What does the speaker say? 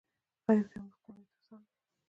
غریب ته یوه موسکا لوی تسل دی